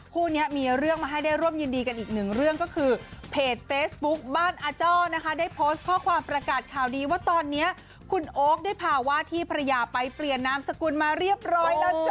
คู่นี้มีเรื่องมาให้ได้ร่วมยินดีกันอีกหนึ่งเรื่องก็คือเพจเฟซบุ๊คบ้านอาจ้อนะคะได้โพสต์ข้อความประกาศข่าวดีว่าตอนนี้คุณโอ๊คได้ภาวะที่ภรรยาไปเปลี่ยนนามสกุลมาเรียบร้อยแล้วจ้